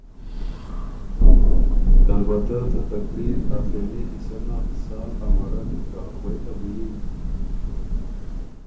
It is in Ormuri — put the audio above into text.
البته ته تقریر ا آخېري حصه نه سال امَرَک که غوېکه بُو یِن۔